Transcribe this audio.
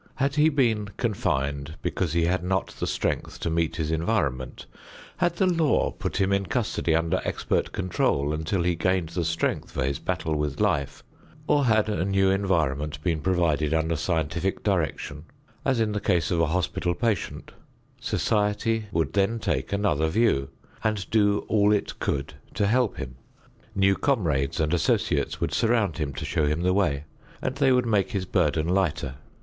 Had he been confined because he had not the strength to meet his environment; had the law put him in custody under expert control until he gained the strength for his battle with life; or had a new environment been provided under scientific direction as in the case of a hospital patient, society would then take another view and do all it could to help him. New comrades and associates would surround him to show him the way, and they would make his burden lighter.